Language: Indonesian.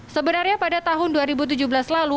sebenarnya pada tahun dua ribu tujuh belas lalu